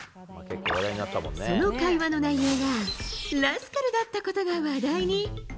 その会話の内容がラスカルだったことが話題に。